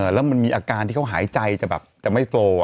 แล้วมันมีอาการที่เขาหายใจจะแบบจะไม่โฟล